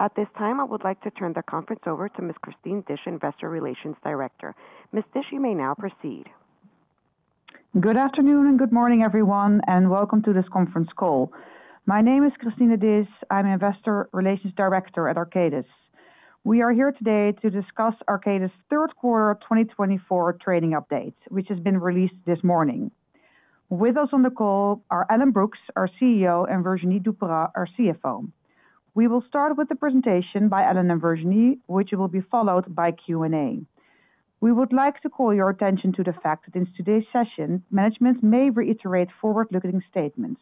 At this time, I would like to turn the conference over to Ms. Christine Disch, Investor Relations Director. Ms. Disch, you may now proceed. Good afternoon and good morning, everyone, and welcome to this conference call. My name is Christine Disch. I'm Investor Relations Director at Arcadis. We are here today to discuss Arcadis' third quarter 2024 trading update, which has been released this morning. With us on the call are Alan Brookes, our CEO, and Virginie Duperat, our CFO. We will start with the presentation by Alan and Virginie, which will be followed by Q&A. We would like to call your attention to the fact that in today's session, management may reiterate forward-looking statements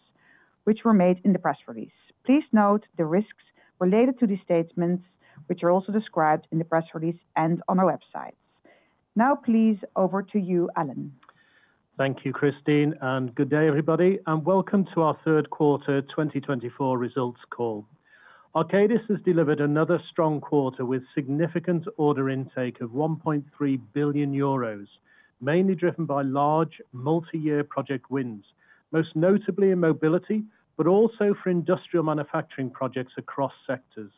which were made in the press release. Please note the risks related to these statements, which are also described in the press release and on our website. Now, please, over to you, Alan. Thank you, Christine, and good day, everybody, and welcome to our third quarter 2024 results call. Arcadis has delivered another strong quarter with significant order intake of 1.3 billion euros, mainly driven by large, multi-year project wins, most notably in mobility, but also for industrial manufacturing projects across sectors.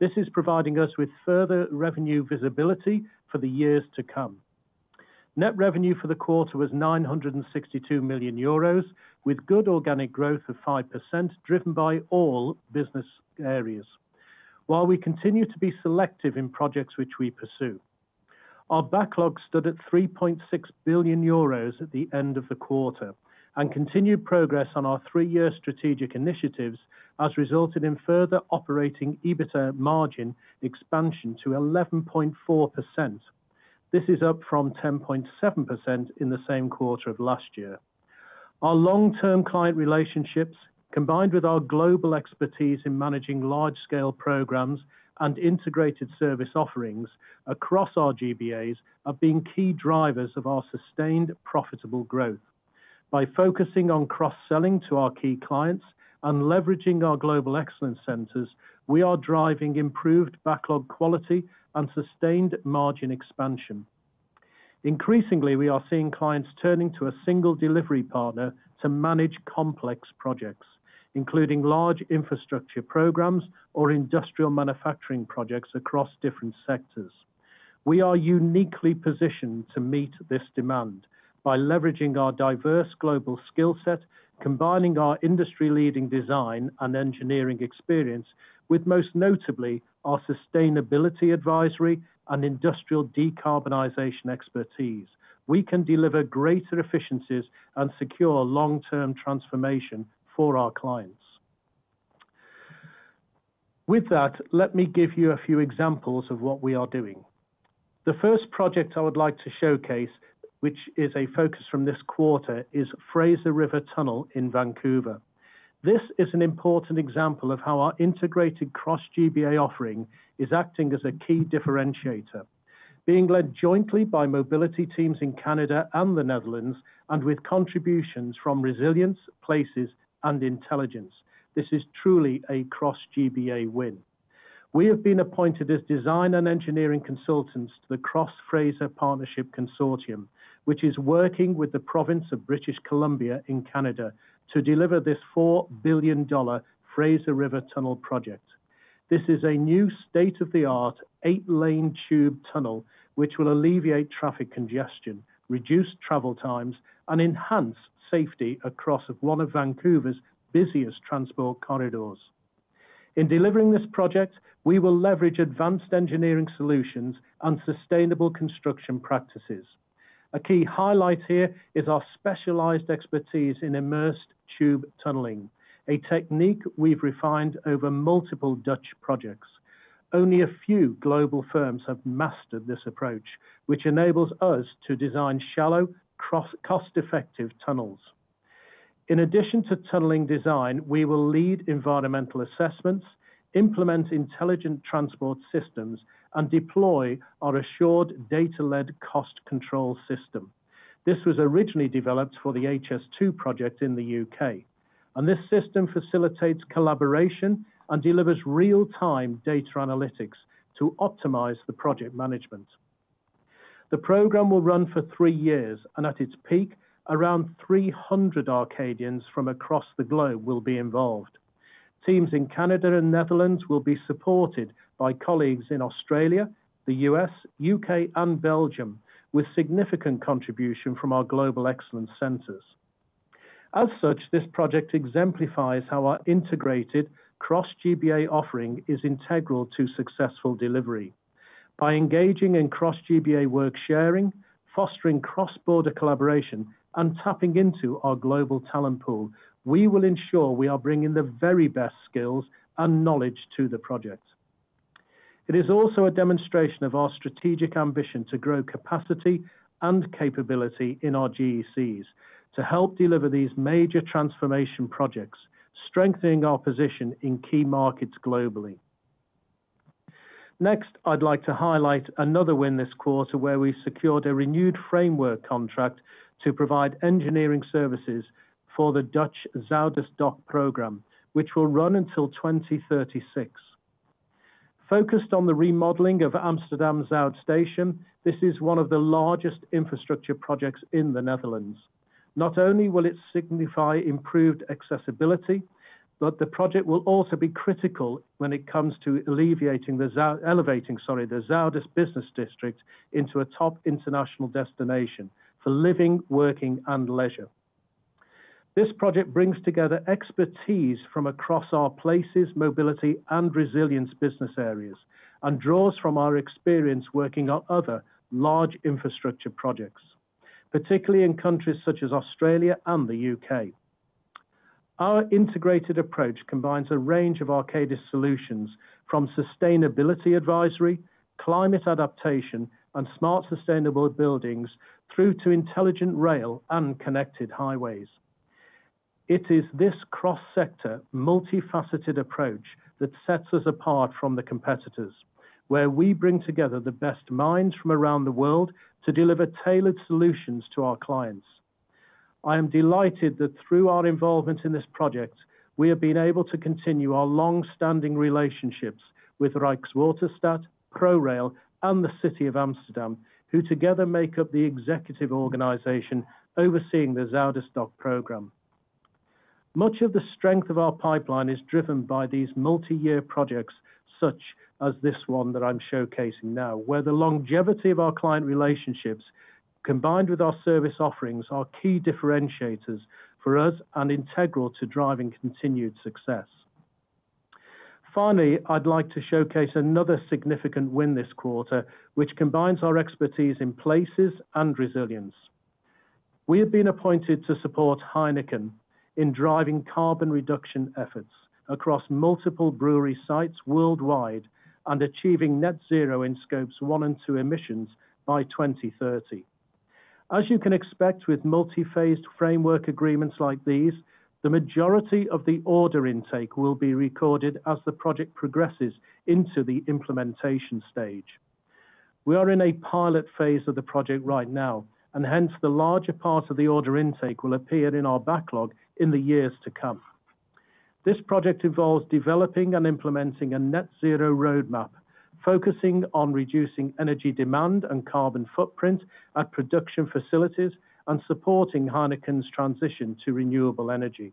This is providing us with further revenue visibility for the years to come. Net revenue for the quarter was 962 million euros, with good organic growth of 5%, driven by all business areas, while we continue to be selective in projects which we pursue. Our backlog stood at 3.6 billion euros at the end of the quarter, and continued progress on our three-year strategic initiatives has resulted in further operating EBITDA margin expansion to 11.4%. This is up from 10.7% in the same quarter of last year. Our long-term client relationships, combined with our global expertise in managing large-scale programs and integrated service offerings across our GBAs, have been key drivers of our sustained profitable growth. By focusing on cross-selling to our key clients and leveraging our global excellence centers, we are driving improved backlog quality and sustained margin expansion. Increasingly, we are seeing clients turning to a single delivery partner to manage complex projects, including large infrastructure programs or industrial manufacturing projects across different sectors. We are uniquely positioned to meet this demand by leveraging our diverse global skill set, combining our industry-leading design and engineering experience with, most notably, our sustainability advisory and industrial decarbonization expertise. We can deliver greater efficiencies and secure long-term transformation for our clients. With that, let me give you a few examples of what we are doing. The first project I would like to showcase, which is a focus from this quarter, is Fraser River Tunnel in Vancouver. This is an important example of how our integrated cross-GBA offering is acting as a key differentiator, being led jointly by mobility teams in Canada and the Netherlands, and with contributions from Resilience, Places, and Intelligence. This is truly a cross-GBA win. We have been appointed as design and engineering consultants to the Cross Fraser Partnership Consortium, which is working with the province of British Columbia in Canada to deliver this 4 billion dollar Fraser River Tunnel project. This is a new state-of-the-art, eight-lane tube tunnel which will alleviate traffic congestion, reduce travel times, and enhance safety across one of Vancouver's busiest transport corridors. In delivering this project, we will leverage advanced engineering solutions and sustainable construction practices. A key highlight here is our specialized expertise in immersed tube tunneling, a technique we've refined over multiple Dutch projects. Only a few global firms have mastered this approach, which enables us to design shallow, cost-effective tunnels. In addition to tunneling design, we will lead environmental assessments, implement intelligent transport systems, and deploy our assured data-led cost control system. This was originally developed for the HS2 project in the U.K., and this system facilitates collaboration and delivers real-time data analytics to optimize the project management. The program will run for three years, and at its peak, around 300 Arcadians from across the globe will be involved. Teams in Canada and Netherlands will be supported by colleagues in Australia, the U.S., U.K., and Belgium, with significant contribution from our Global Excellence Centers. As such, this project exemplifies how our integrated cross-GBA offering is integral to successful delivery. By engaging in cross-GBA work sharing, fostering cross-border collaboration, and tapping into our global talent pool, we will ensure we are bringing the very best skills and knowledge to the project. It is also a demonstration of our strategic ambition to grow capacity and capability in our GECs to help deliver these major transformation projects, strengthening our position in key markets globally. Next, I'd like to highlight another win this quarter where we secured a renewed framework contract to provide engineering services for the Dutch Zuidasdok program, which will run until 2036. Focused on the remodeling of Amsterdam Zuid station, this is one of the largest infrastructure projects in the Netherlands. Not only will it signify improved accessibility, but the project will also be critical when it comes to elevating the Zuidas business district into a top international destination for living, working, and leisure. This project brings together expertise from across our Places, Mobility, and Resilience business areas and draws from our experience working on other large infrastructure projects, particularly in countries such as Australia and the UK. Our integrated approach combines a range of Arcadis solutions from sustainability advisory, climate adaptation, and smart sustainable buildings through to intelligent rail and connected highways. It is this cross-sector, multifaceted approach that sets us apart from the competitors, where we bring together the best minds from around the world to deliver tailored solutions to our clients. I am delighted that through our involvement in this project, we have been able to continue our long-standing relationships with Rijkswaterstaat, ProRail, and the City of Amsterdam, who together make up the executive organization overseeing the Zuidasdok program. Much of the strength of our pipeline is driven by these multi-year projects, such as this one that I'm showcasing now, where the longevity of our client relationships, combined with our service offerings, are key differentiators for us and integral to driving continued success. Finally, I'd like to showcase another significant win this quarter, which combines our expertise in Places and Resilience. We have been appointed to support Heineken in driving carbon reduction efforts across multiple brewery sites worldwide and achieving net zero in Scope 1 and Scope 2 emissions by 2030. As you can expect with multi-phased framework agreements like these, the majority of the order intake will be recorded as the project progresses into the implementation stage. We are in a pilot phase of the project right now, and hence the larger part of the order intake will appear in our backlog in the years to come. This project involves developing and implementing a net zero roadmap, focusing on reducing energy demand and carbon footprint at production facilities and supporting Heineken's transition to renewable energy.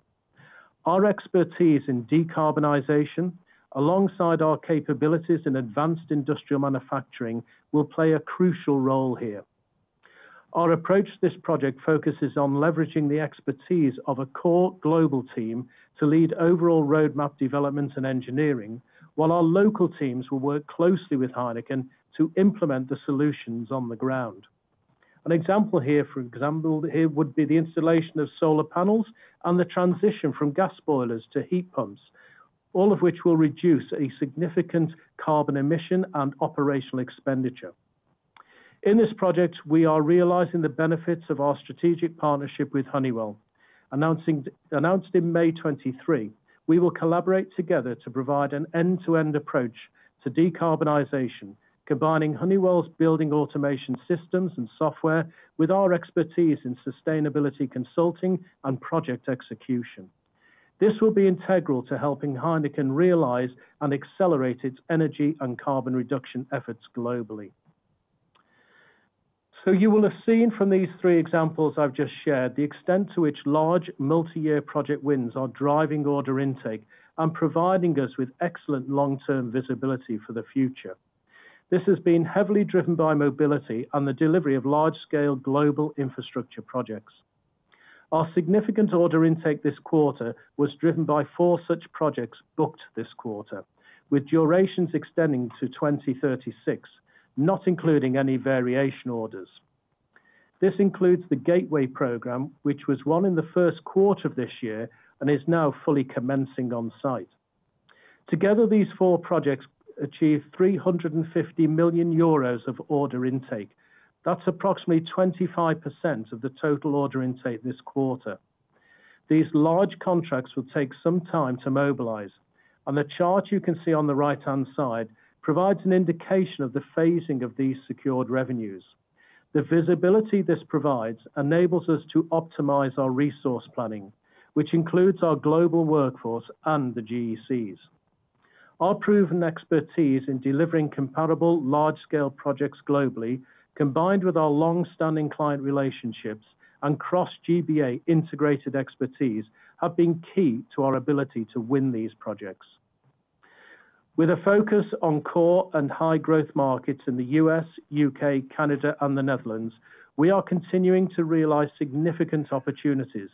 Our expertise in decarbonization, alongside our capabilities in advanced industrial manufacturing, will play a crucial role here. Our approach to this project focuses on leveraging the expertise of a core global team to lead overall roadmap developments and engineering, while our local teams will work closely with Heineken to implement the solutions on the ground. An example here, for example, would be the installation of solar panels and the transition from gas boilers to heat pumps, all of which will reduce a significant carbon emission and operational expenditure. In this project, we are realizing the benefits of our strategic partnership with Honeywell. Announced in May 2023, we will collaborate together to provide an end-to-end approach to decarbonization, combining Honeywell's building automation systems and software with our expertise in sustainability consulting and project execution. This will be integral to helping Heineken realize and accelerate its energy and carbon reduction efforts globally. So you will have seen from these three examples I've just shared the extent to which large, multi-year project wins are driving order intake and providing us with excellent long-term visibility for the future. This has been heavily driven by mobility and the delivery of large-scale global infrastructure projects. Our significant order intake this quarter was driven by four such projects booked this quarter, with durations extending to 2036, not including any variation orders. This includes the Gateway Program, which was won in the first quarter of this year and is now fully commencing on site. Together, these four projects achieved 350 million euros of order intake. That's approximately 25% of the total order intake this quarter. These large contracts will take some time to mobilize, and the chart you can see on the right-hand side provides an indication of the phasing of these secured revenues. The visibility this provides enables us to optimize our resource planning, which includes our global workforce and the GECs. Our proven expertise in delivering comparable large-scale projects globally, combined with our long-standing client relationships and cross-GBA integrated expertise, have been key to our ability to win these projects. With a focus on core and high-growth markets in the U.S., U.K., Canada, and the Netherlands, we are continuing to realize significant opportunities,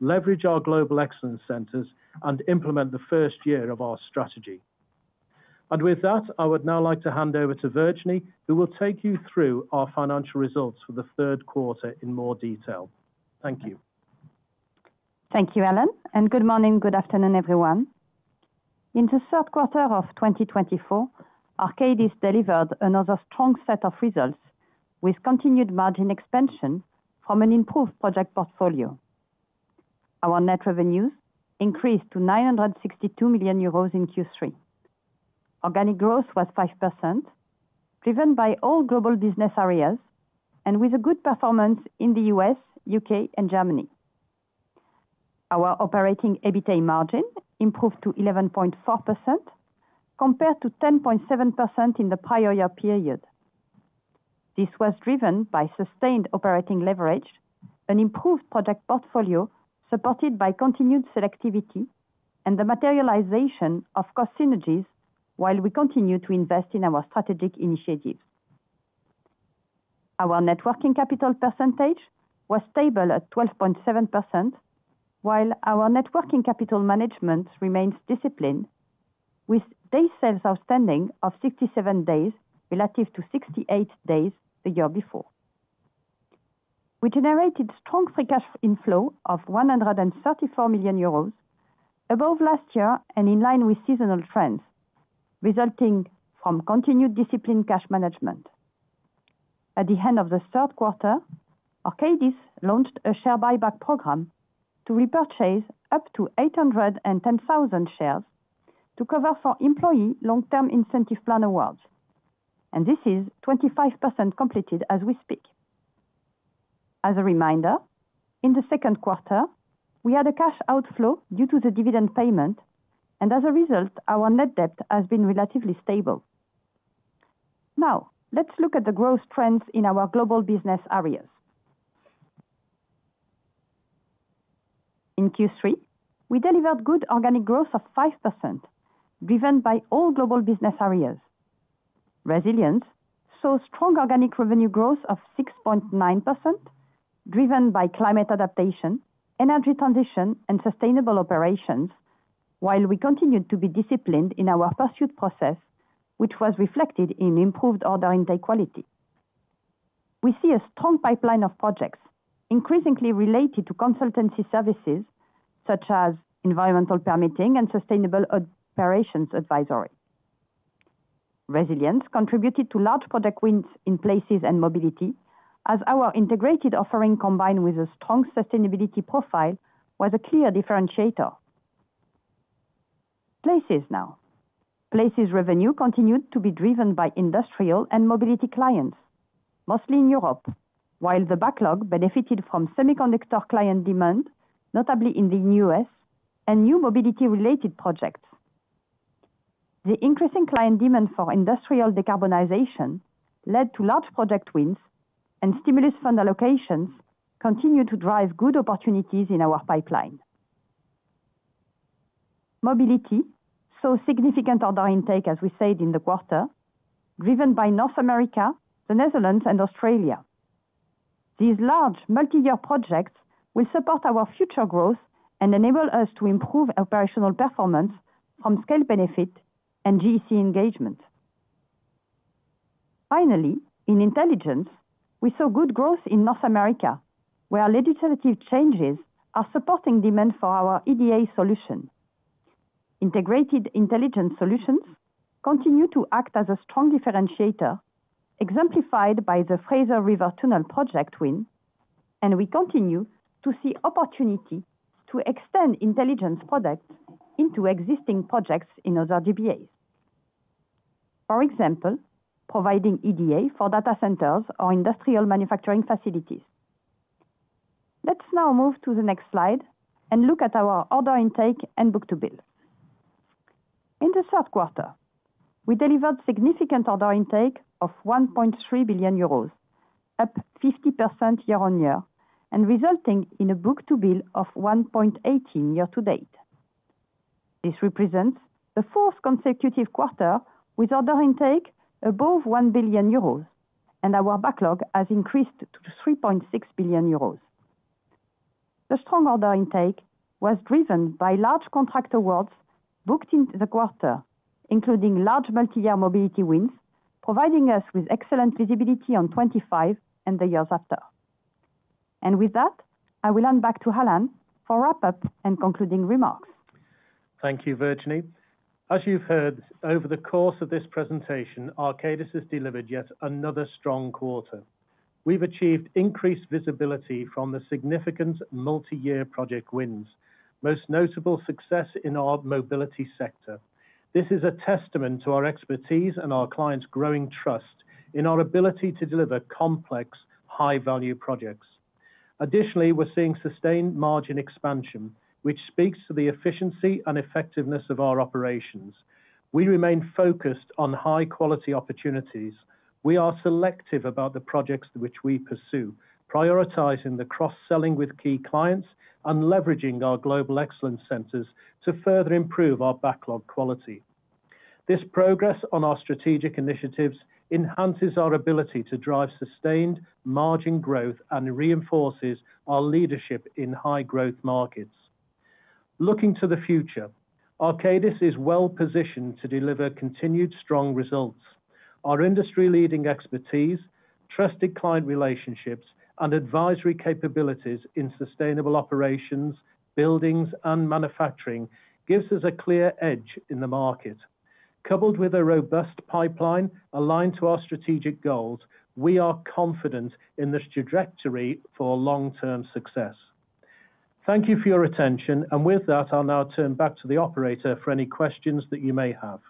leverage our global excellence centers, and implement the first year of our strategy. With that, I would now like to hand over to Virginie, who will take you through our financial results for the third quarter in more detail. Thank you. Thank you, Alan, and good morning, good afternoon, everyone. In the third quarter of 2024, Arcadis delivered another strong set of results with continued margin expansion from an improved project portfolio. Our net revenues increased to 962 million euros in Q3. Organic growth was 5%, driven by all global business areas and with a good performance in the U.S., U.K., and Germany. Our operating EBITDA margin improved to 11.4%, compared to 10.7% in the prior year period. This was driven by sustained operating leverage, an improved project portfolio supported by continued selectivity, and the materialization of cost synergies while we continue to invest in our strategic initiatives. Our net working capital percentage was stable at 12.7%, while our net working capital management remains disciplined, with days sales outstanding of 67 days relative to 68 days the year before. We generated strong free cash inflow of 134 million euros, above last year and in line with seasonal trends, resulting from continued disciplined cash management. At the end of the third quarter, Arcadis launched a share buyback program to repurchase up to 810,000 shares to cover for employee long-term incentive plan awards, and this is 25% completed as we speak. As a reminder, in the second quarter, we had a cash outflow due to the dividend payment, and as a result, our net debt has been relatively stable. Now, let's look at the growth trends in our global business areas. In Q3, we delivered good organic growth of 5%, driven by all global business areas. Resilience saw strong organic revenue growth of 6.9%, driven by climate adaptation, energy transition, and sustainable operations, while we continued to be disciplined in our pursuit process, which was reflected in improved order intake quality. We see a strong pipeline of projects increasingly related to consultancy services such as environmental permitting and sustainable operations advisory. Resilience contributed to large project wins in Places and Mobility, as our integrated offering combined with a strong sustainability profile was a clear differentiator. Places now. Places revenue continued to be driven by industrial and mobility clients, mostly in Europe, while the backlog benefited from semiconductor client demand, notably in the U.S. and new mobility-related projects. The increasing client demand for industrial decarbonization led to large project wins, and stimulus fund allocations continue to drive good opportunities in our pipeline. Mobility saw significant order intake, as we said in the quarter, driven by North America, the Netherlands, and Australia. These large multi-year projects will support our future growth and enable us to improve operational performance from scale benefit and GEC engagement. Finally, in intelligence, we saw good growth in North America, where legislative changes are supporting demand for our EDA solution. Integrated intelligence solutions continue to act as a strong differentiator, exemplified by the Fraser River Tunnel project win, and we continue to see opportunity to extend intelligence products into existing projects in other GBAs. For example, providing EDA for data centers or industrial manufacturing facilities. Let's now move to the next slide and look at our order intake and book-to-bill. In the third quarter, we delivered significant order intake of 1.3 billion euros, up 50% year-on year, and resulting in a book-to-bill of 1.18 year to date. This represents the fourth consecutive quarter with order intake above 1 billion euros, and our backlog has increased to 3.6 billion euros. The strong order intake was driven by large contract awards booked in the quarter, including large multi-year mobility wins, providing us with excellent visibility on 2025 and the years after, and with that, I will hand back to Alan for wrap-up and concluding remarks. Thank you, Virginie. As you've heard, over the course of this presentation, Arcadis has delivered yet another strong quarter. We've achieved increased visibility from the significant multi-year project wins, most notable success in our mobility sector. This is a testament to our expertise and our clients' growing trust in our ability to deliver complex, high-value projects. Additionally, we're seeing sustained margin expansion, which speaks to the efficiency and effectiveness of our operations. We remain focused on high-quality opportunities. We are selective about the projects which we pursue, prioritizing the cross-selling with key clients and leveraging our global excellence centers to further improve our backlog quality. This progress on our strategic initiatives enhances our ability to drive sustained margin growth and reinforces our leadership in high-growth markets. Looking to the future, Arcadis is well positioned to deliver continued strong results. Our industry-leading expertise, trusted client relationships, and advisory capabilities in sustainable operations, buildings, and manufacturing gives us a clear edge in the market. Coupled with a robust pipeline aligned to our strategic goals, we are confident in the trajectory for long-term success. Thank you for your attention, and with that, I'll now turn back to the operator for any questions that you may have.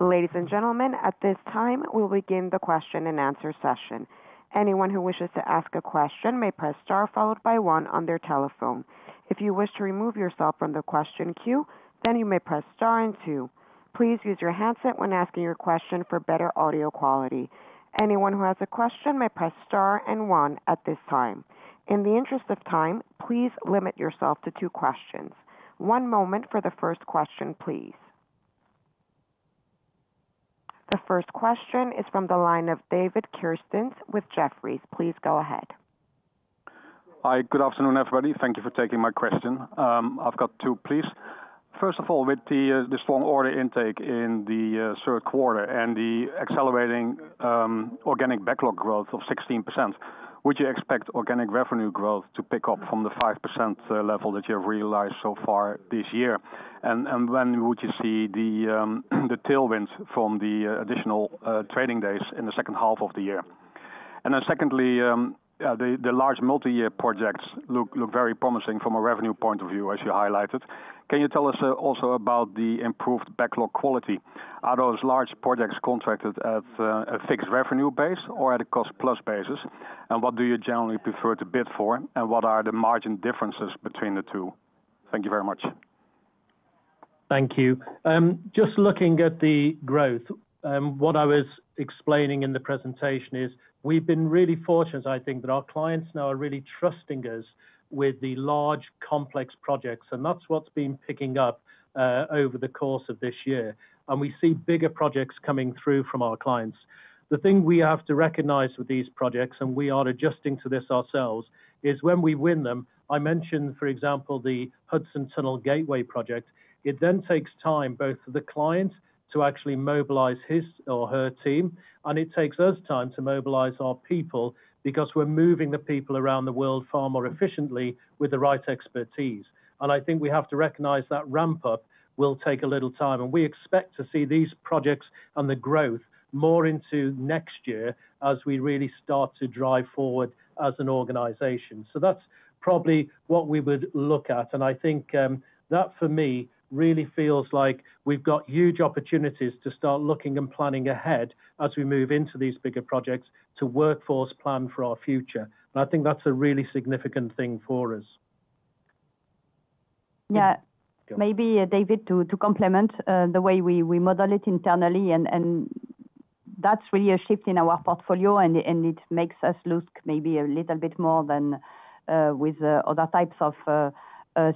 Ladies and gentlemen, at this time, we'll begin the question and answer session. Anyone who wishes to ask a question may press star followed by one on their telephone. If you wish to remove yourself from the question queue, then you may press star and two. Please use your handset when asking your question for better audio quality. Anyone who has a question may press star and one at this time. In the interest of time, please limit yourself to two questions. One moment for the first question, please. The first question is from the line of David Kerstens with Jefferies. Please go ahead. Hi, good afternoon, everybody. Thank you for taking my question. I've got two pleas. First of all, with the strong order intake in the third quarter and the accelerating organic backlog growth of 16%, would you expect organic revenue growth to pick up from the 5% level that you have realized so far this year? And when would you see the tailwinds from the additional trading days in the second half of the year? And then secondly, the large multi-year projects look very promising from a revenue point of view, as you highlighted. Can you tell us also about the improved backlog quality? Are those large projects contracted at a fixed revenue base or at a cost-plus basis? And what do you generally prefer to bid for? And what are the margin differences between the two? Thank you very much. Thank you. Just looking at the growth, what I was explaining in the presentation is we've been really fortunate, I think, that our clients now are really trusting us with the large, complex projects, and that's what's been picking up over the course of this year. And we see bigger projects coming through from our clients. The thing we have to recognize with these projects, and we are adjusting to this ourselves, is when we win them, I mentioned, for example, the Hudson Tunnel Gateway project, it then takes time both for the client to actually mobilize his or her team, and it takes us time to mobilize our people because we're moving the people around the world far more efficiently with the right expertise. I think we have to recognize that ramp-up will take a little time, and we expect to see these projects and the growth more into next year as we really start to drive forward as an organization. That's probably what we would look at, and I think that for me really feels like we've got huge opportunities to start looking and planning ahead as we move into these bigger projects to workforce plan for our future. I think that's a really significant thing for us. Yeah, maybe David, to complement the way we model it internally, and that's really a shift in our portfolio, and it makes us look maybe a little bit more than with other types of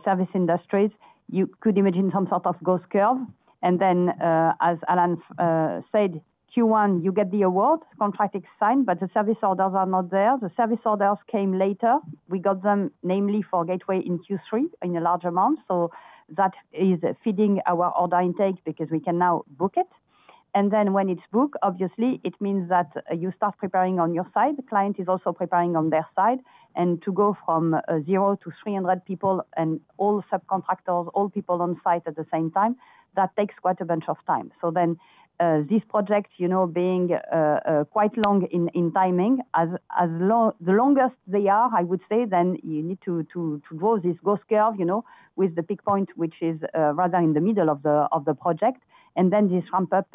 service industries. You could imagine some sort of growth curve. And then, as Alan said, Q1, you get the award, contract is signed, but the service orders are not there. The service orders came later. We got them namely for Gateway in Q3 in a large amount, so that is feeding our order intake because we can now book it. And then when it's booked, obviously, it means that you start preparing on your side, the client is also preparing on their side, and to go from 0 people-300 people and all subcontractors, all people on site at the same time, that takes quite a bunch of time. So then these projects, you know, being quite long in timing, as long as they are, I would say, then you need to draw this growth curve, you know, with the peak point, which is rather in the middle of the project, and then this ramp-up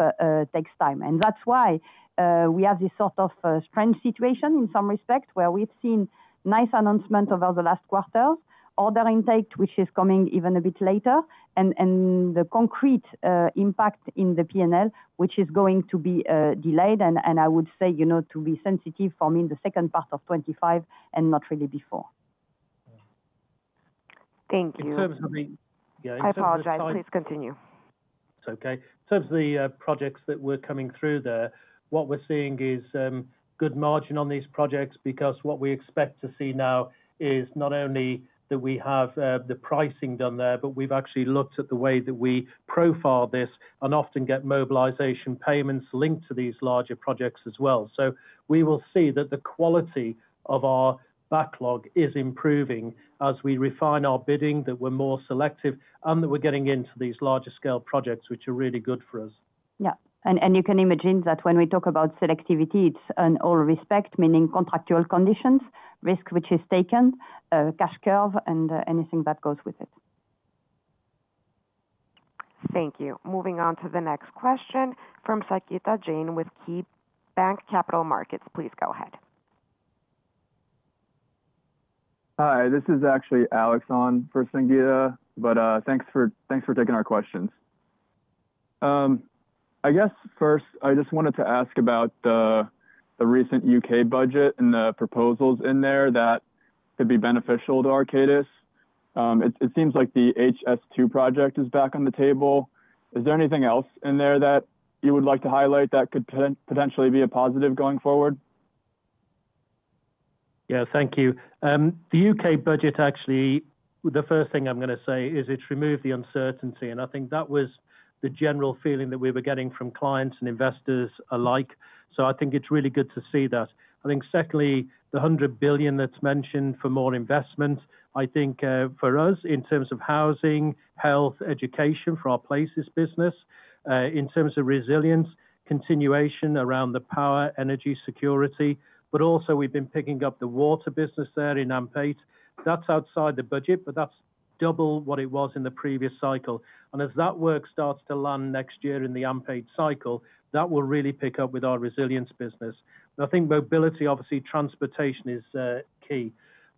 takes time. And that's why we have this sort of strange situation in some respects where we've seen nice announcements over the last quarters, order intake, which is coming even a bit later, and the concrete impact in the P&L, which is going to be delayed, and I would say, you know, to be sensitive for me in the second part of 2025 and not really before. Thank you. In terms of the. I apologize. Please continue. It's okay. In terms of the projects that were coming through there, what we're seeing is good margin on these projects because what we expect to see now is not only that we have the pricing done there, but we've actually looked at the way that we profile this and often get mobilization payments linked to these larger projects as well. So we will see that the quality of our backlog is improving as we refine our bidding, that we're more selective, and that we're getting into these larger scale projects, which are really good for us. Yeah, and you can imagine that when we talk about selectivity, it's in all respects, meaning contractual conditions, risk which is taken, cash curve, and anything that goes with it. Thank you. Moving on to the next question from Sangita Jain with KeyBanc Capital Markets. Please go ahead. Hi, this is actually Alex on for Sangita, but thanks for taking our questions. I guess first, I just wanted to ask about the recent U.K. budget and the proposals in there that could be beneficial to Arcadis. It seems like the HS2 project is back on the table. Is there anything else in there that you would like to highlight that could potentially be a positive going forward? Yeah, thank you. The U.K. budget, actually, the first thing I'm going to say is it's removed the uncertainty, and I think that was the general feeling that we were getting from clients and investors alike. So I think it's really good to see that. I think secondly, the 100 billion that's mentioned for more investment, I think for us in terms of housing, health, education for our places business, in terms of resilience, continuation around the power, energy, security, but also we've been picking up the water business there in AMP8. That's outside the budget, but that's double what it was in the previous cycle. And as that work starts to land next year in the AMP8 cycle, that will really pick up with our resilience business. I think mobility, obviously, transportation is key.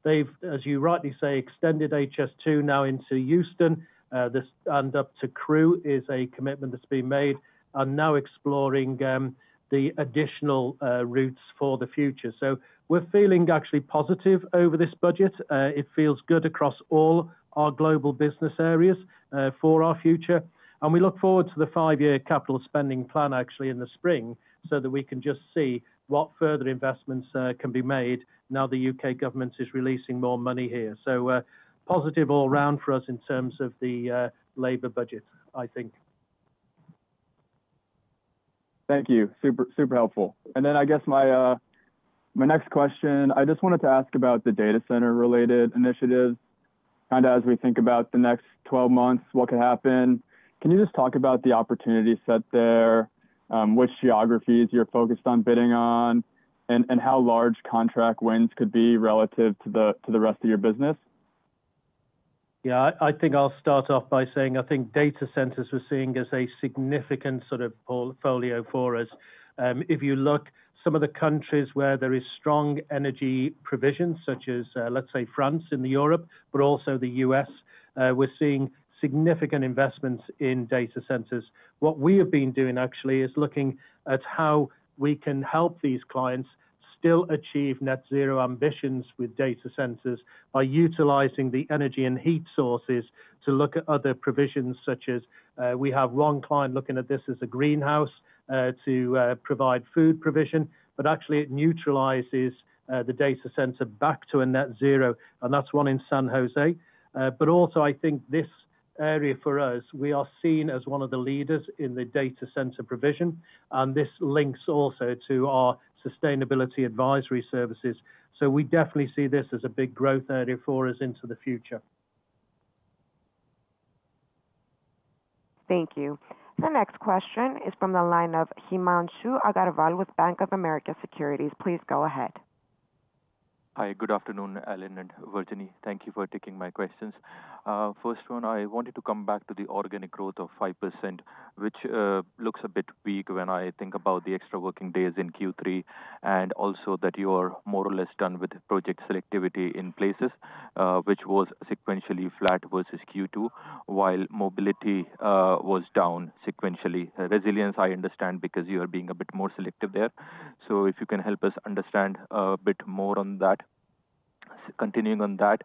They've, as you rightly say, extended HS2 now into Euston, and up to Crewe is a commitment that's been made, and now exploring the additional routes for the future. So we're feeling actually positive over this budget. It feels good across all our global business areas for our future, and we look forward to the five-year capital spending plan actually in the spring so that we can just see what further investments can be made now the U.K. government is releasing more money here. So positive all around for us in terms of the Labour budget, I think. Thank you. Super, super helpful. And then I guess my next question, I just wanted to ask about the data center-related initiatives, kind of as we think about the next 12 months, what could happen. Can you just talk about the opportunity set there, which geographies you're focused on bidding on, and how large contract wins could be relative to the rest of your business? Yeah, I think I'll start off by saying I think data centers we're seeing as a significant sort of portfolio for us. If you look, some of the countries where there is strong energy provision, such as, let's say, France in Europe, but also the U.S., we're seeing significant investments in data centers. What we have been doing actually is looking at how we can help these clients still achieve net zero ambitions with data centers by utilizing the energy and heat sources to look at other provisions, such as we have one client looking at this as a greenhouse to provide food provision, but actually it neutralizes the data center back to a net zero, and that's one in San Jose. But also I think this area for us, we are seen as one of the leaders in the data center provision, and this links also to our sustainability advisory services. So we definitely see this as a big growth area for us into the future. Thank you. The next question is from the line of Himanshu Agarwal with Bank of America Securities. Please go ahead. Hi, good afternoon, Alan and Virginie. Thank you for taking my questions. First one, I wanted to come back to the organic growth of 5%, which looks a bit weak when I think about the extra working days in Q3 and also that you are more or less done with project selectivity in Places, which was sequentially flat versus Q2, while Mobility was down sequentially. Resilience, I understand, because you are being a bit more selective there. So if you can help us understand a bit more on that. Continuing on that,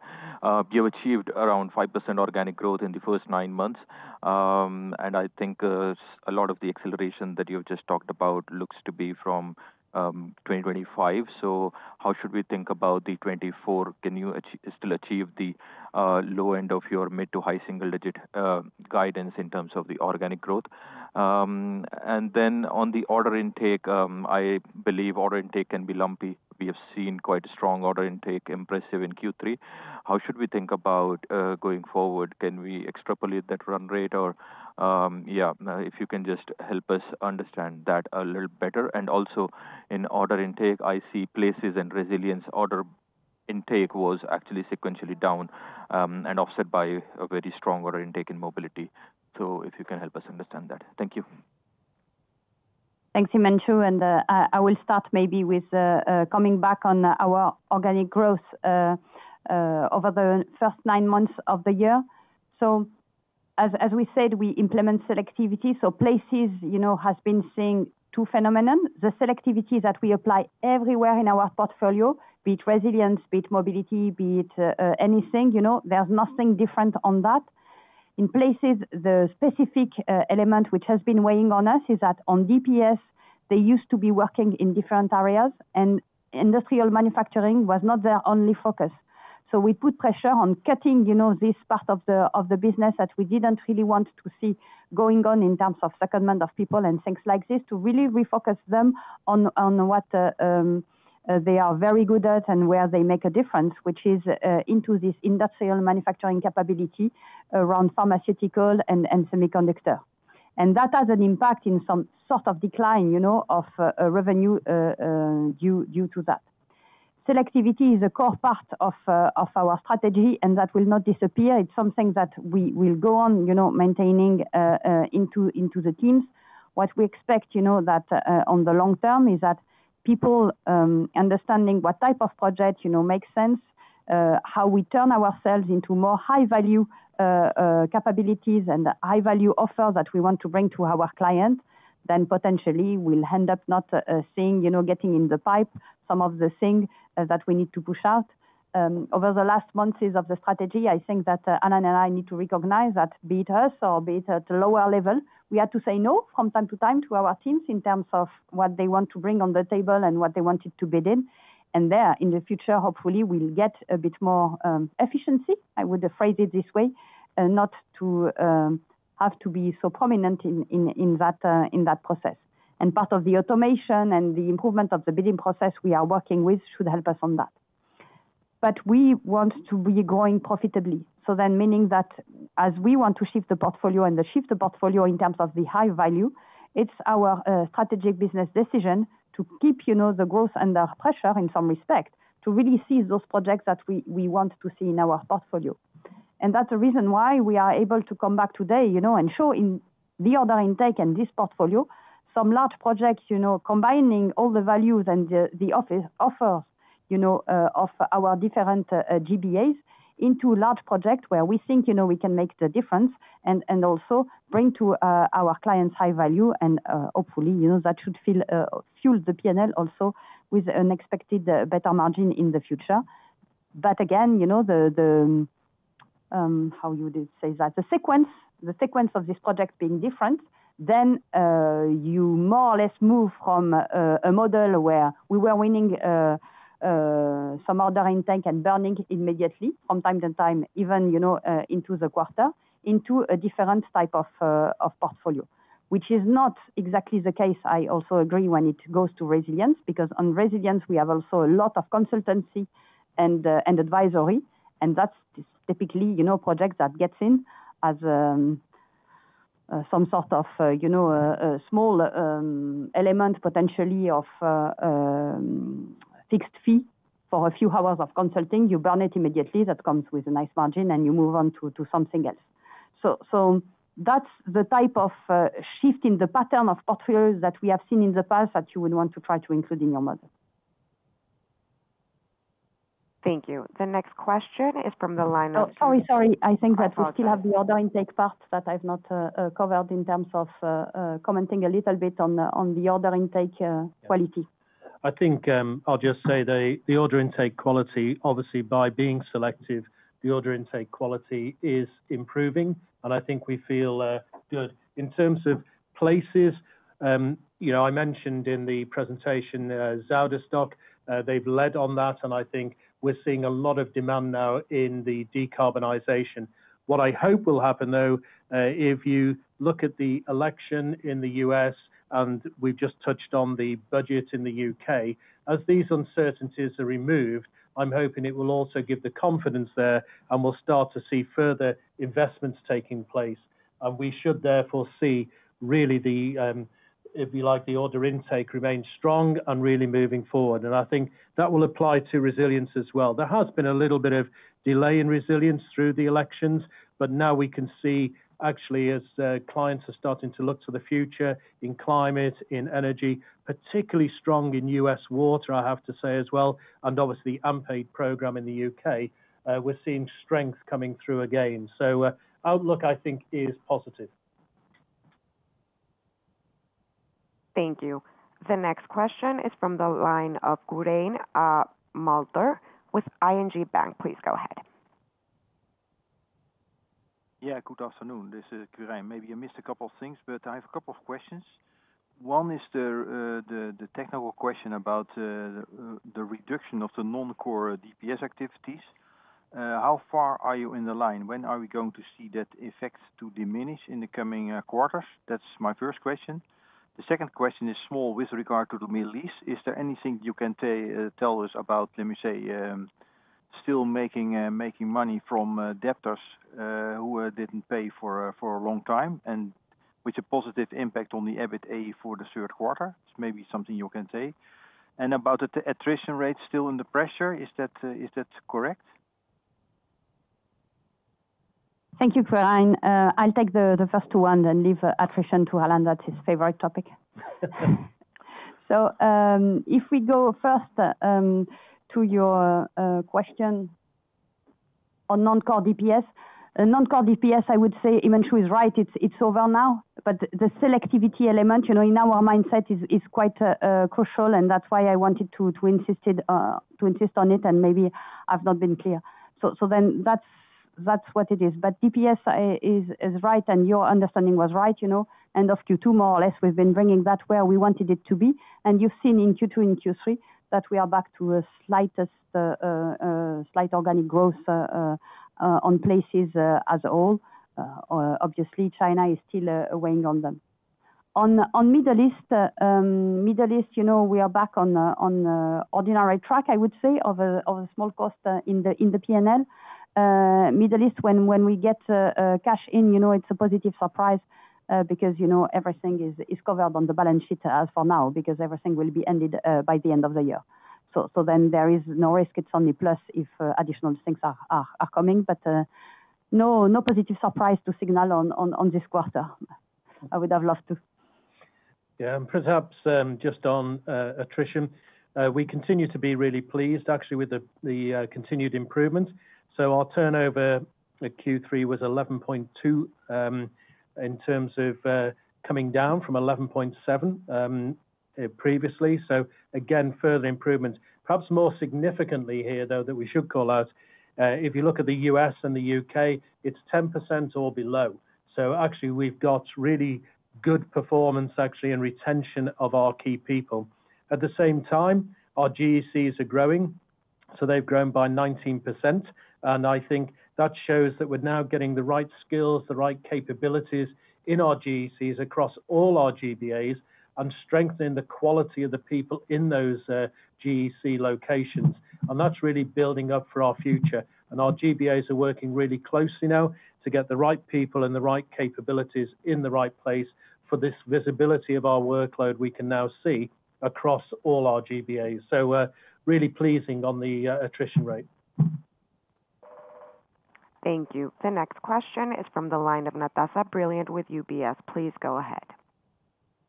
you have achieved around 5% organic growth in the first nine months, and I think a lot of the acceleration that you have just talked about looks to be from 2025. So how should we think about the 2024? Can you still achieve the low end of your mid to high single-digit guidance in terms of the organic growth? And then on the order intake, I believe order intake can be lumpy. We have seen quite a strong order intake, impressive in Q3. How should we think about going forward? Can we extrapolate that run rate? Or yeah, if you can just help us understand that a little better. And also in order intake, I see Places and Resilience order intake was actually sequentially down and offset by a very strong order intake in Mobility. So if you can help us understand that. Thank you. Thanks, Himanshu, and I will start maybe with coming back on our organic growth over the first nine months of the year, so as we said, we implement selectivity. Places, you know, has been seeing two phenomena. The selectivity that we apply everywhere in our portfolio, be it Resilience, be it Mobility, be it anything, you know, there's nothing different on that. In Places, the specific element which has been weighing on us is that on DPS, they used to be working in different areas, and industrial manufacturing was not their only focus. So we put pressure on cutting, you know, this part of the business that we didn't really want to see going on in terms of secondment of people and things like this to really refocus them on what they are very good at and where they make a difference, which is into this industrial manufacturing capability around pharmaceutical and semiconductor. And that has an impact in some sort of decline, you know, of revenue due to that. Selectivity is a core part of our strategy, and that will not disappear. It's something that we will go on, you know, maintaining into the teams. What we expect, you know, that on the long term is that people understanding what type of project, you know, makes sense, how we turn ourselves into more high-value capabilities and high-value offers that we want to bring to our client, then potentially we'll end up not seeing, you know, getting in the pipe some of the things that we need to push out. Over the last months of the strategy, I think that Alan and I need to recognize that be it us or be it at a lower level, we had to say no from time to time to our teams in terms of what they want to bring on the table and what they wanted to bid in, and there in the future, hopefully, we'll get a bit more efficiency. I would phrase it this way, not to have to be so prominent in that process. Part of the automation and the improvement of the bidding process we are working with should help us on that. We want to be growing profitably. Meaning that as we want to shift the portfolio and shift the portfolio in terms of the high value, it's our strategic business decision to keep, you know, the growth under pressure in some respect to really see those projects that we want to see in our portfolio. That's the reason why we are able to come back today, you know, and show in the order intake and this portfolio some large projects, you know, combining all the values and the offers, you know, of our different GBAs into large projects where we think, you know, we can make the difference and also bring to our clients high value. Hopefully, you know, that should fuel the P&L also with an expected better margin in the future. But again, you know, the, how you would say that, the sequence of this project being different, then you more or less move from a model where we were winning some order intake and burning immediately from time to time, even, you know, into the quarter into a different type of portfolio, which is not exactly the case. I also agree when it goes to Resilience because on Resilience, we have also a lot of consultancy and advisory, and that's typically, you know, projects that get seen as some sort of, you know, a small element potentially of fixed fee for a few hours of consulting. You burn it immediately. That comes with a nice margin, and you move on to something else. So that's the type of shift in the pattern of portfolios that we have seen in the past that you would want to try to include in your model. Thank you. The next question is from the line of. Oh, sorry, sorry. I think that we still have the order intake part that I've not covered in terms of commenting a little bit on the order intake quality. I think I'll just say the order intake quality, obviously by being selective, the order intake quality is improving, and I think we feel good. In terms of Places, you know, I mentioned in the presentation Zuidasdok, they've led on that, and I think we're seeing a lot of demand now in the decarbonization. What I hope will happen, though, if you look at the election in the U.S., and we've just touched on the budget in the U.K., as these uncertainties are removed, I'm hoping it will also give the confidence there and we'll start to see further investments taking place. And we should therefore see really the, if you like, the order intake remain strong and really moving forward. And I think that will apply to Resilience as well. There has been a little bit of delay in Resilience through the elections, but now we can see actually as clients are starting to look to the future in climate, in energy, particularly strong in U.S. water, I have to say as well, and obviously the AMP8 program in the U.K., we're seeing strength coming through again. So outlook, I think, is positive. Thank you. The next question is from the line of Quirijn Mulder with ING Bank. Please go ahead. Yeah, good afternoon. This is Quirijn. Maybe you missed a couple of things, but I have a couple of questions. One is the technical question about the reduction of the non-core DPS activities. How far are you in the line? When are we going to see that effect to diminish in the coming quarters? That's my first question. The second question is small with regard to the Middle East. Is there anything you can tell us about, let me say, still making money from debtors who didn't pay for a long time and with a positive impact on the EBITDA for the third quarter? It's maybe something you can say. And about the attrition rate, still in the pressure, is that correct? Thank you, Quirijn. I'll take the first one and leave attrition to Alan. That's his favorite topic. So if we go first to your question on non-core DPS, non-core DPS, I would say Himanshu is right. It's over now, but the selectivity element, you know, in our mindset is quite crucial, and that's why I wanted to insist on it, and maybe I've not been clear. So then that's what it is. But DPS is right, and your understanding was right, you know, end of Q2, more or less, we've been bringing that where we wanted it to be. And you've seen in Q2 and Q3 that we are back to a slight organic growth on places as a whole. Obviously, China is still weighing on them. On Middle East, you know, we are back on ordinary track, I would say, of a small cost in the P&L. Middle East, when we get cash in, you know, it's a positive surprise because, you know, everything is covered on the balance sheet as for now because everything will be ended by the end of the year. So then there is no risk. It's only plus if additional things are coming, but no positive surprise to signal on this quarter. I would have loved to. Yeah, and perhaps just on attrition, we continue to be really pleased actually with the continued improvements. So our turnover Q3 was 11.2% in terms of coming down from 11.7% previously. So again, further improvements. Perhaps more significantly here though that we should call out, if you look at the U.S. and the U.K., it's 10% or below. So actually we've got really good performance actually and retention of our key people. At the same time, our GECs are growing, so they've grown by 19%, and I think that shows that we're now getting the right skills, the right capabilities in our GECs across all our GBAs and strengthening the quality of the people in those GEC locations. And that's really building up for our future. Our GBAs are working really closely now to get the right people and the right capabilities in the right place. For this visibility of our workload, we can now see across all our GBAs. Really pleasing on the attrition rate. Thank you. The next question is from the line of Natasha Brilliant with UBS. Please go ahead.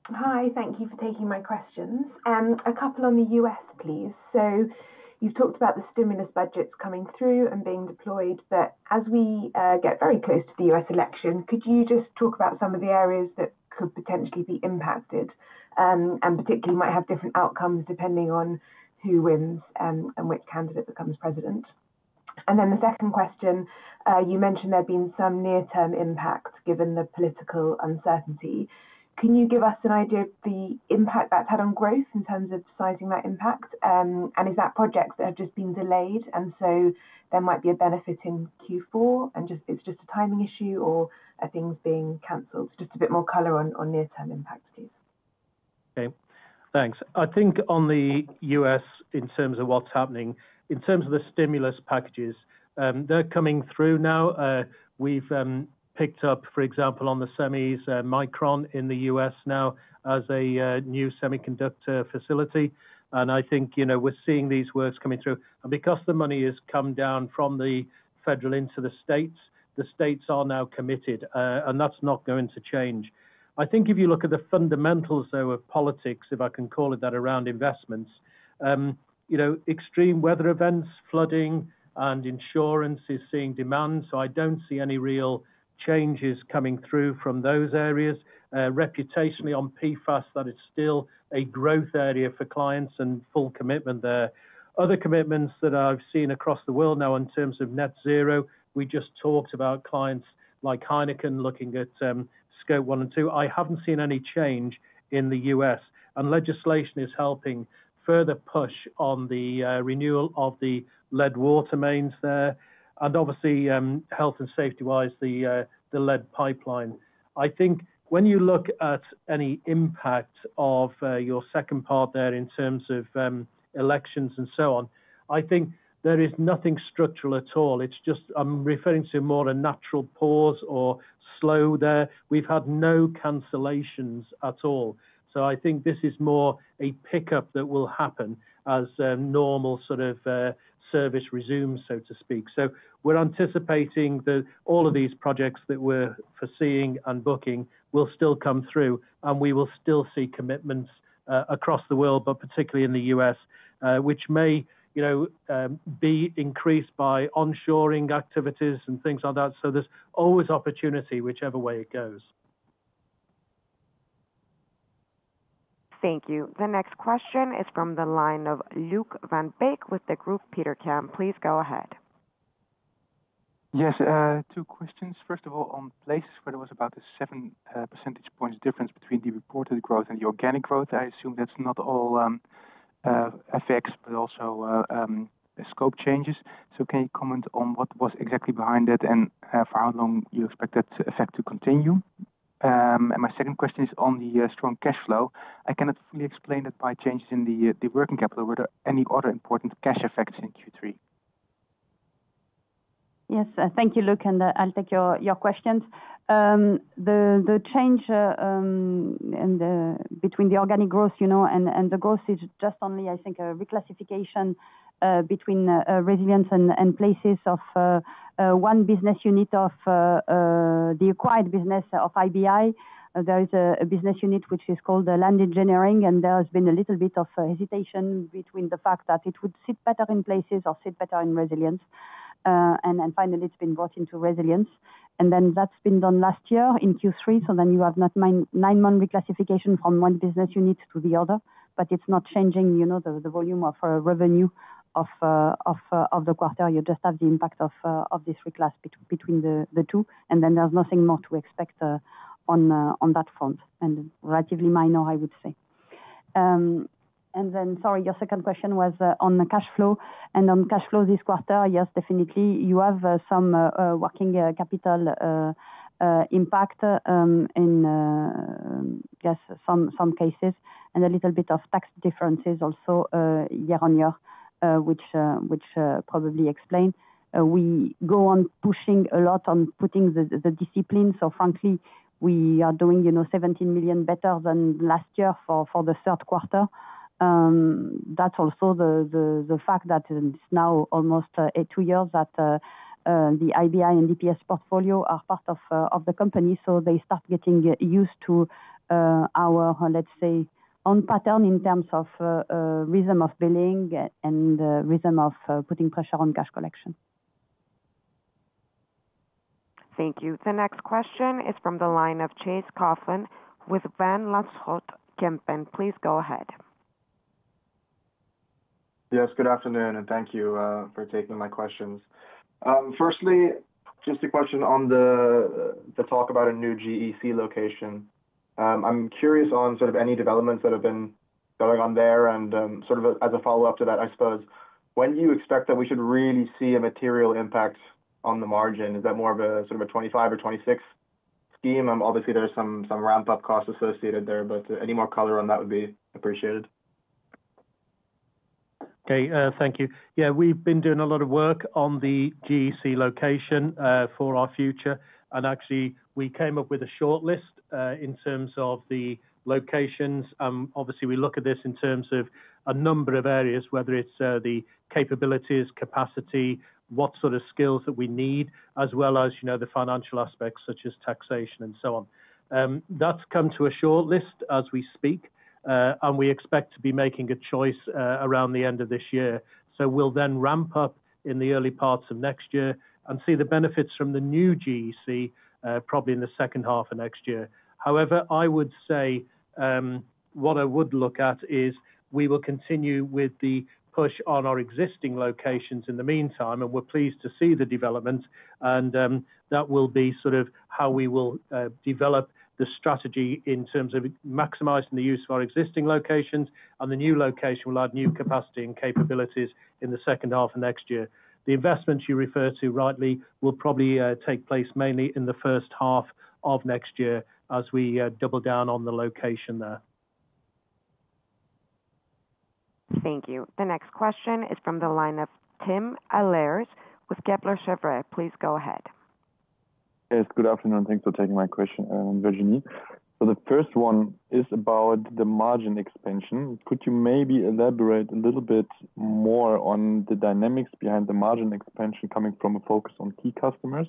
Hi, thank you for taking my questions. A couple on the U.S., please. So you've talked about the stimulus budgets coming through and being deployed, but as we get very close to the U.S. election, could you just talk about some of the areas that could potentially be impacted and particularly might have different outcomes depending on who wins and which candidate becomes president? And then the second question, you mentioned there'd been some near-term impact given the political uncertainty. Can you give us an idea of the impact that's had on growth in terms of sizing that impact? And is that projects that have just been delayed and so there might be a benefit in Q4? And it's just a timing issue or are things being canceled? Just a bit more color on near-term impact, please. Okay, thanks. I think on the U.S. in terms of what's happening, in terms of the stimulus packages, they're coming through now. We've picked up, for example, on the semis, Micron in the U.S. now as a new semiconductor facility. And I think, you know, we're seeing these works coming through. And because the money has come down from the federal into the states, the states are now committed, and that's not going to change. I think if you look at the fundamentals though of politics, if I can call it that, around investments, you know, extreme weather events, flooding, and insurance is seeing demand. So I don't see any real changes coming through from those areas. Reputationally on PFAS, that is still a growth area for clients and full commitment there. Other commitments that I've seen across the world now in terms of net zero, we just talked about clients like Heineken looking at scope one and two. I haven't seen any change in the U.S., and legislation is helping further push on the renewal of the lead water mains there, and obviously, health and safety-wise, the lead pipeline. I think when you look at any impact of your second part there in terms of elections and so on, I think there is nothing structural at all. It's just I'm referring to more of a natural pause or slow there. We've had no cancellations at all. So I think this is more a pickup that will happen as normal sort of service resumes, so to speak. So we're anticipating that all of these projects that we're foreseeing and booking will still come through, and we will still see commitments across the world, but particularly in the U.S., which may, you know, be increased by onshoring activities and things like that. So there's always opportunity whichever way it goes. Thank you. The next question is from the line of Luuk van Beek with Degroof Petercam. Please go ahead. Yes, two questions. First of all, on Places where there was about a seven percentage points difference between the reported growth and the organic growth, I assume that's not all effects, but also scope changes. So can you comment on what was exactly behind that and for how long you expect that effect to continue? And my second question is on the strong cash flow. I cannot fully explain that by changes in the working capital. Were there any other important cash effects in Q3? Yes, thank you, Luuk, and I'll take your questions. The change between the organic growth, you know, and the growth is just only, I think, a reclassification between Resilience and Places of one business unit of the acquired business of IBI. There is a business unit which is called Land Engineering, and there has been a little bit of hesitation between the fact that it would sit better in Places or sit better in Resilience, and finally, it's been brought into Resilience, and then that's been done last year in Q3, so then you have not nine-month reclassification from one business unit to the other, but it's not changing, you know, the volume of revenue of the quarter. You just have the impact of this reclass between the two, and then there's nothing more to expect on that front, and relatively minor, I would say. Then, sorry, your second question was on cash flow. On cash flow this quarter, yes, definitely, you have some working capital impact in, yes, some cases and a little bit of tax differences also year-on year, which probably explain. We go on pushing a lot on putting the discipline. Frankly, we are doing, you know, 17 million better than last year for the third quarter. That's also the fact that it's now almost two years that the IBI and DPS portfolio are part of the company, so they start getting used to our, let's say, own pattern in terms of rhythm of billing and rhythm of putting pressure on cash collection. Thank you. The next question is from the line of Chase Koehlin with Van Lanschot Kempen. Please go ahead. Yes, good afternoon, and thank you for taking my questions. Firstly, just a question on the talk about a new GEC location. I'm curious on sort of any developments that have been going on there, and sort of as a follow-up to that, I suppose, when do you expect that we should really see a material impact on the margin? Is that more of a sort of a 2025 or 2026 scheme? Obviously, there's some ramp-up costs associated there, but any more color on that would be appreciated. Okay, thank you. Yeah, we've been doing a lot of work on the GEC location for our future. And actually, we came up with a shortlist in terms of the locations. Obviously, we look at this in terms of a number of areas, whether it's the capabilities, capacity, what sort of skills that we need, as well as, you know, the financial aspects such as taxation and so on. That's come to a shortlist as we speak, and we expect to be making a choice around the end of this year. So we'll then ramp up in the early parts of next year and see the benefits from the new GEC probably in the second half of next year. However, I would say what I would look at is we will continue with the push on our existing locations in the meantime, and we're pleased to see the developments. That will be sort of how we will develop the strategy in terms of maximizing the use of our existing locations. The new location will add new capacity and capabilities in the second half of next year. The investments you refer to rightly will probably take place mainly in the first half of next year as we double down on the location there. Thank you. The next question is from the line of Tim Ehlers with Kepler Cheuvreux. Please go ahead. Yes, good afternoon. Thanks for taking my question, Virginie. So the first one is about the margin expansion. Could you maybe elaborate a little bit more on the dynamics behind the margin expansion coming from a focus on key customers?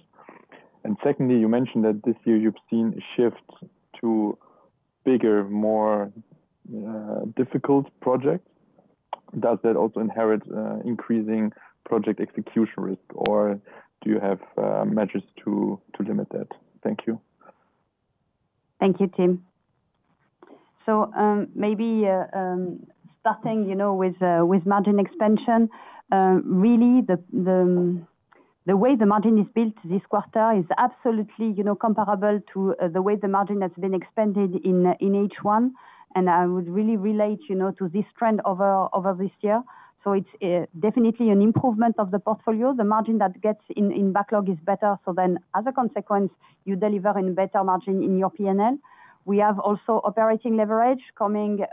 And secondly, you mentioned that this year you've seen a shift to bigger, more difficult projects. Does that also inherit increasing project execution risk, or do you have measures to limit that? Thank you. Thank you, Tim. So maybe starting, you know, with margin expansion, really the way the margin is built this quarter is absolutely, you know, comparable to the way the margin has been expanded in H1. And I would really relate, you know, to this trend over this year. So it's definitely an improvement of the portfolio. The margin that gets in backlog is better. So then, as a consequence, you deliver in better margin in your P&L. We have also operating leverage coming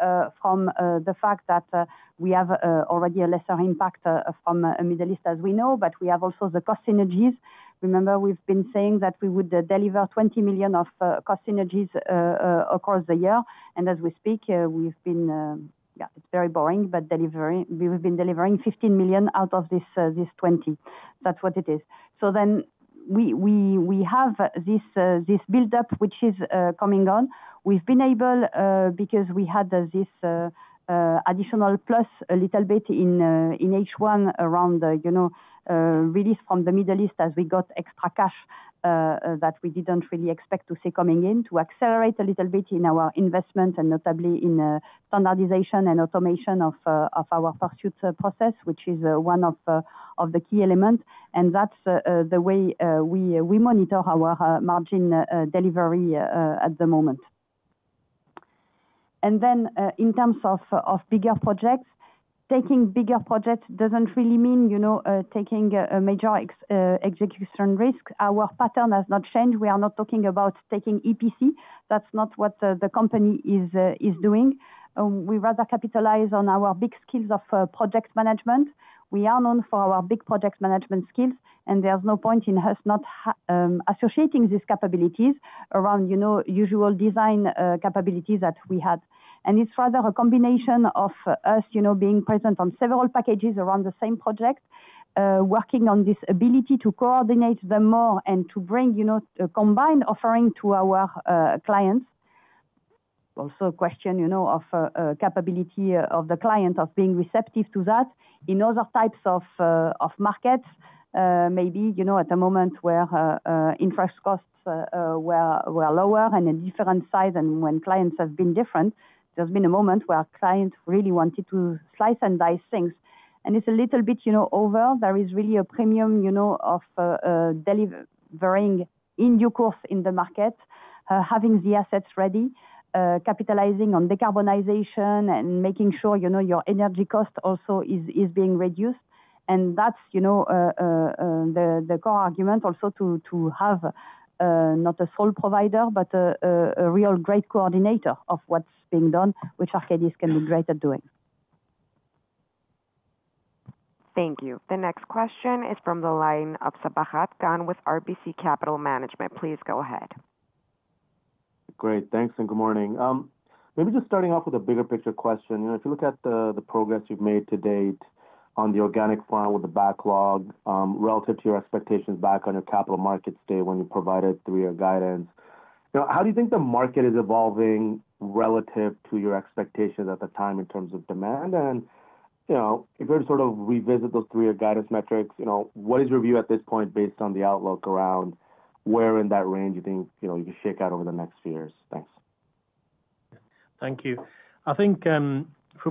from the fact that we have already a lesser impact from Middle East, as we know, but we have also the cost synergies. Remember, we've been saying that we would deliver 20 million of cost synergies across the year. And as we speak, we've been, yeah, it's very boring, but we've been delivering 15 million out of this 20 million. That's what it is. So then we have this buildup, which is coming on. We've been able, because we had this additional plus a little bit in H1 around, you know, release from the Middle East as we got extra cash that we didn't really expect to see coming in to accelerate a little bit in our investment and notably in standardization and automation of our pursuit process, which is one of the key elements. And that's the way we monitor our margin delivery at the moment. And then in terms of bigger projects, taking bigger projects doesn't really mean, you know, taking a major execution risk. Our pattern has not changed. We are not talking about taking EPC. That's not what the company is doing. We rather capitalize on our big skills of project management. We are known for our big project management skills, and there's no point in us not associating these capabilities around, you know, usual design capabilities that we had. And it's rather a combination of us, you know, being present on several packages around the same project, working on this ability to coordinate them more and to bring, you know, a combined offering to our clients. Also a question, you know, of capability of the client of being receptive to that in other types of markets. Maybe, you know, at a moment where infrastructure costs were lower and a different size, and when clients have been different, there's been a moment where clients really wanted to slice and dice things. And it's a little bit, you know, over. There is really a premium, you know, of delivering in due course in the market, having the assets ready, capitalizing on decarbonization and making sure, you know, your energy cost also is being reduced, and that's, you know, the core argument also to have not a sole provider, but a real great coordinator of what's being done, which Arcadis can be great at doing. Thank you. The next question is from the line of Sabahat Khan with RBC Capital Markets. Please go ahead. Great, thanks, and good morning. Maybe just starting off with a bigger picture question. You know, if you look at the progress you've made to date on the organic growth with the backlog relative to your expectations back on your capital markets day when you provided three-year guidance, you know, how do you think the market is evolving relative to your expectations at the time in terms of demand? And, you know, if you're to sort of revisit those three-year guidance metrics, you know, what is your view at this point based on the outlook around where in that range you think, you know, you can shake out over the next few years? Thanks. Thank you. I think from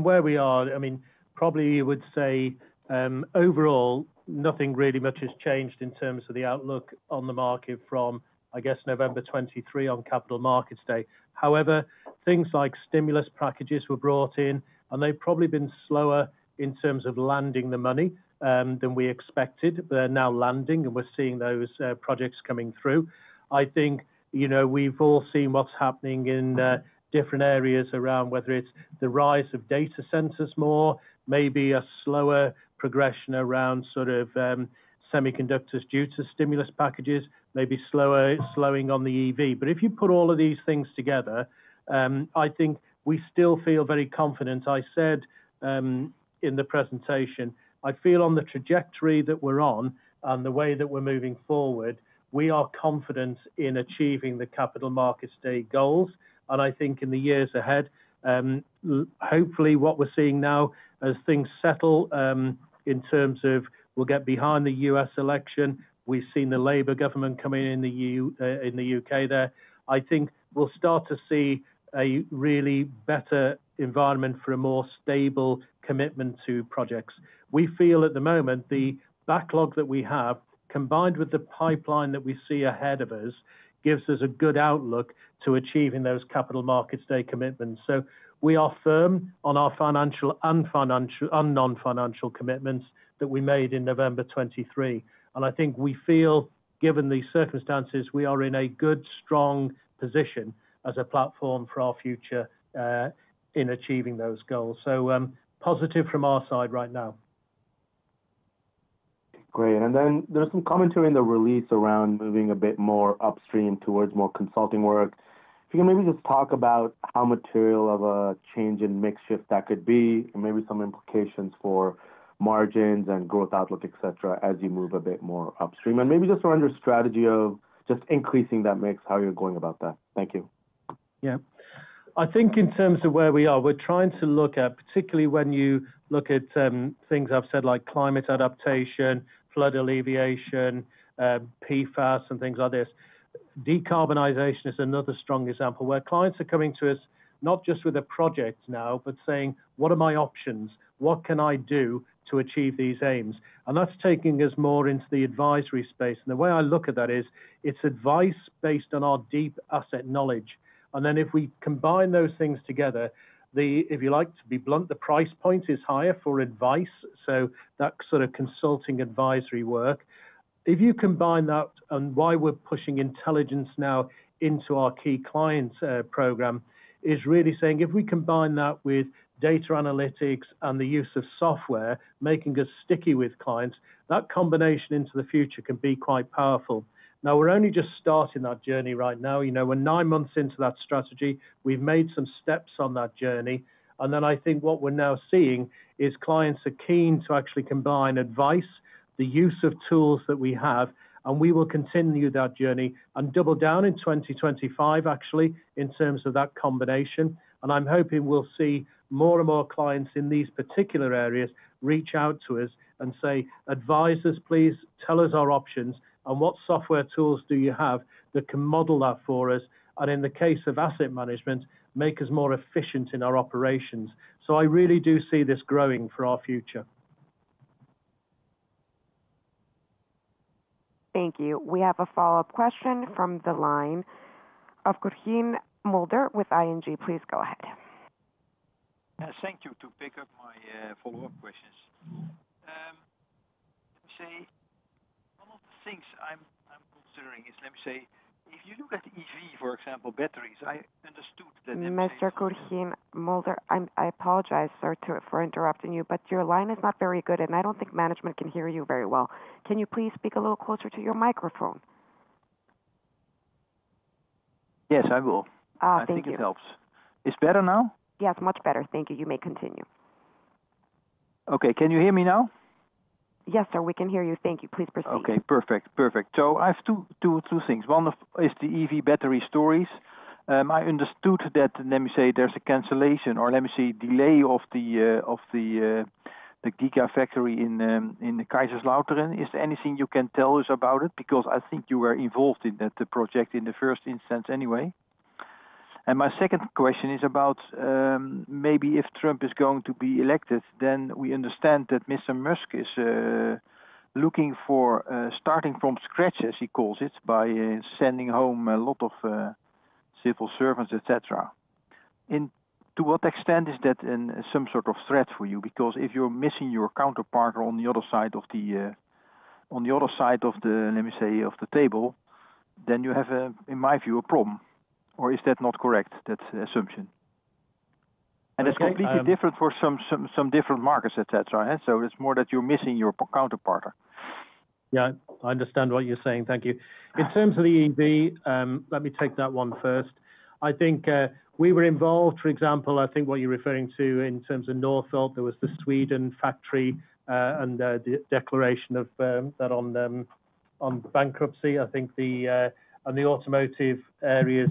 where we are, I mean, probably you would say overall nothing really much has changed in terms of the outlook on the market from, I guess, November 2023 on Capital Markets Day. However, things like stimulus packages were brought in, and they've probably been slower in terms of landing the money than we expected, but they're now landing, and we're seeing those projects coming through. I think, you know, we've all seen what's happening in different areas around whether it's the rise of data centers more, maybe a slower progression around sort of semiconductors due to stimulus packages, maybe slowing on the EV. But if you put all of these things together, I think we still feel very confident. I said in the presentation, I feel on the trajectory that we're on and the way that we're moving forward, we are confident in achieving the Capital Markets Day goals. And I think in the years ahead, hopefully what we're seeing now as things settle in terms of we'll get behind the U.S. election, we've seen the Labour government come in in the U.K. there, I think we'll start to see a really better environment for a more stable commitment to projects. We feel at the moment the backlog that we have, combined with the pipeline that we see ahead of us, gives us a good outlook to achieving those Capital Markets Day commitments. So we are firm on our financial and non-financial commitments that we made in November 2023. And I think we feel, given these circumstances, we are in a good, strong position as a platform for our future in achieving those goals. So positive from our side right now. Great. And then there's some commentary in the release around moving a bit more upstream towards more consulting work. If you can maybe just talk about how material of a change in mix shift that could be and maybe some implications for margins and growth outlook, et cetera, as you move a bit more upstream and maybe just around your strategy of just increasing that mix, how you're going about that. Thank you. Yeah. I think in terms of where we are, we're trying to look at, particularly when you look at things I've said like climate adaptation, flood alleviation, PFAS, and things like this. Decarbonization is another strong example where clients are coming to us not just with a project now, but saying, what are my options? What can I do to achieve these aims? And that's taking us more into the advisory space. And the way I look at that is it's advice based on our deep asset knowledge. And then if we combine those things together, if you like to be blunt, the price point is higher for advice. So that sort of consulting advisory work, if you combine that and why we're pushing intelligence now into our Key Clients program is really saying if we combine that with data analytics and the use of software, making us sticky with clients, that combination into the future can be quite powerful. Now, we're only just starting that journey right now. You know, we're nine months into that strategy. We've made some steps on that journey. And then I think what we're now seeing is clients are keen to actually combine advice, the use of tools that we have, and we will continue that journey and double down in 2025, actually, in terms of that combination. I'm hoping we'll see more and more clients in these particular areas reach out to us and say, advise us, please tell us our options and what software tools do you have that can model that for us and in the case of asset management, make us more efficient in our operations. I really do see this growing for our future. Thank you. We have a follow-up question from the line of Quirijn Mulder with ING. Please go ahead. Thank you for picking up my follow-up questions. Let me say some of the things I'm considering is, let me say, if you look at EV, for example, batteries. I understood that. Mr. Quirijn Mulder, I apologize, sir, for interrupting you, but your line is not very good, and I don't think management can hear you very well. Can you please speak a little closer to your microphone? Yes, I will. Thank you. I think it helps. It's better now? Yes, much better. Thank you. You may continue. Okay. Can you hear me now? Yes, sir, we can hear you. Thank you. Please proceed. Okay, perfect. Perfect. So I have two things. One is the EV battery stories. I understood that, let me say, there's a cancellation or, let me say, delay of the gigafactory in Kaiserslautern. Is there anything you can tell us about it? Because I think you were involved in that project in the first instance anyway. And my second question is about maybe if Trump is going to be elected, then we understand that Mr. Musk is looking for starting from scratch, as he calls it, by sending home a lot of civil servants, et cetera. To what extent is that some sort of threat for you? Because if you're missing your counterpart on the other side of the table, then you have, in my view, a problem. Or is that not correct, that assumption? And it's completely different for some different markets, et cetera. So it's more that you're missing your counterpart. Yeah, I understand what you're saying. Thank you. In terms of the EV, let me take that one first. I think we were involved, for example. I think what you're referring to in terms of Northvolt, there was the Sweden factory and the declaration of bankruptcy. I think the automotive areas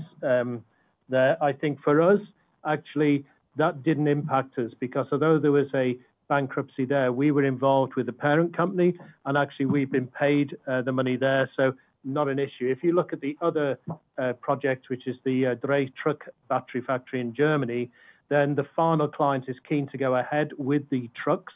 there, I think for us, actually, that didn't impact us because although there was a bankruptcy there, we were involved with the parent company and actually we've been paid the money there. So not an issue. If you look at the other project, which is the Daimler Truck Battery Factory in Germany, then the final client is keen to go ahead with the trucks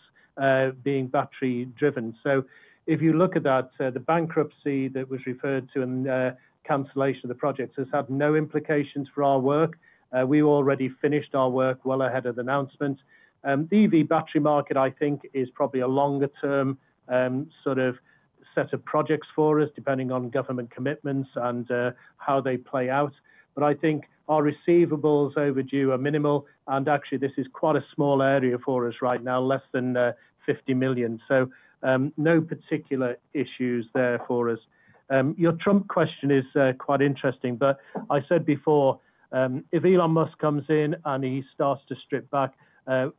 being battery-driven. So if you look at that, the bankruptcy that was referred to and the cancellation of the projects has had no implications for our work. We already finished our work well ahead of the announcement. The EV battery market, I think, is probably a longer-term sort of set of projects for us, depending on government commitments and how they play out, but I think our receivables overdue are minimal, and actually, this is quite a small area for us right now, less than 50 million. So no particular issues there for us. Your Trump question is quite interesting, but I said before, if Elon Musk comes in and he starts to strip back,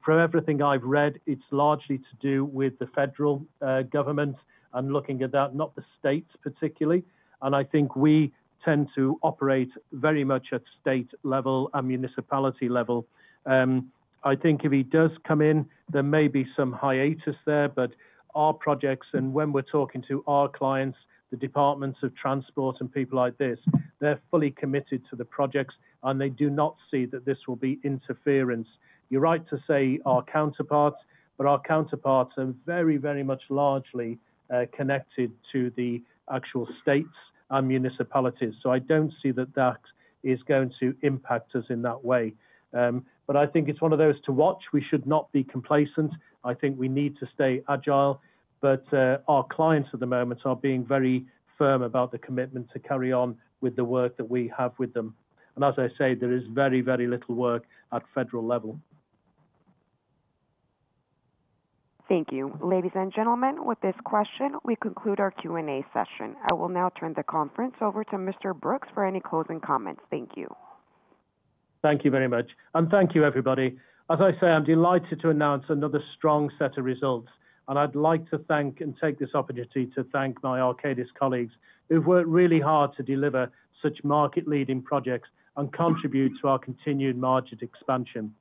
from everything I've read, it's largely to do with the federal government and looking at that, not the states particularly, and I think we tend to operate very much at state level and municipality level. I think if he does come in, there may be some hiatus there, but our projects and when we're talking to our clients, the departments of transport and people like this, they're fully committed to the projects and they do not see that this will be interference. You're right to say our counterparts, but our counterparts are very, very much largely connected to the actual states and municipalities. So I don't see that that is going to impact us in that way. But I think it's one of those to watch. We should not be complacent. I think we need to stay agile, but our clients at the moment are being very firm about the commitment to carry on with the work that we have with them. And as I say, there is very, very little work at federal level. Thank you. Ladies and gentlemen, with this question, we conclude our Q&A session. I will now turn the conference over to Mr. Brookes for any closing comments. Thank you. Thank you very much. And thank you, everybody. As I say, I'm delighted to announce another strong set of results. And I'd like to thank and take this opportunity to thank my Arcadis colleagues who've worked really hard to deliver such market-leading projects and contribute to our continued margin expansion.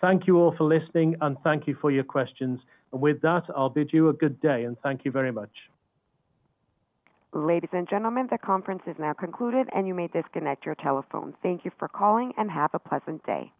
Thank you all for listening and thank you for your questions. And with that, I'll bid you a good day and thank you very much. Ladies and gentlemen, the conference is now concluded and you may disconnect your telephone. Thank you for calling and have a pleasant day.